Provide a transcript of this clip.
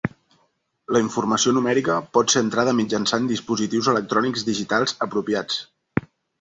La informació numèrica pot ser entrada mitjançant dispositius electrònics digitals apropiats.